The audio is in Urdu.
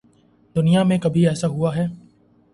دنیا میں کبھی ایسا ہو اہے؟